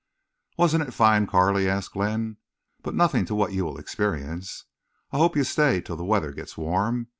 "Wasn't it fine, Carley?" asked Glenn. "But nothing to what you will experience. I hope you stay till the weather gets warm.